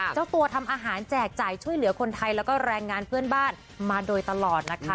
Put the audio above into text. เจ้าตัวทำอาหารแจกจ่ายช่วยเหลือคนไทยแล้วก็แรงงานเพื่อนบ้านมาโดยตลอดนะคะ